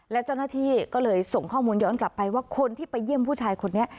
และเจ้าหน้าที่ก็เลยส่งข้อมูลย้อนกลับไปว่าคนที่ไปเยี่ยมผู้ชายคนนี้